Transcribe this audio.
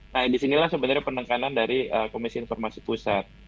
nah disinilah sebenarnya penekanan dari komisi informasi pusat